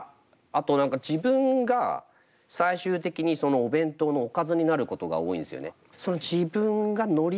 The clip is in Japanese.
あと自分が最終的にそのお弁当のおかずになることが多いんですよね。